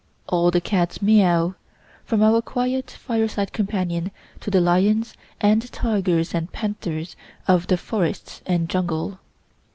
All the cats meow, from our quiet fireside companion to the lions and tigers and panthers of the forests and jungle.